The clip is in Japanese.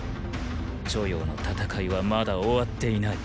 著雍の戦いはまだ終わっていない。